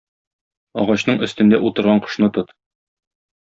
Агачның өстендә утырган кошны тот.